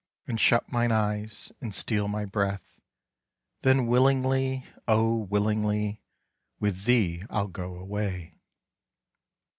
And shut mine eyes, and steal my breath; Then willingly—oh! willingly, With thee I'll go away.